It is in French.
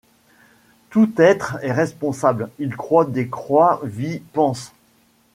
Tout être est responsable ; il croît, décroît, vit, pense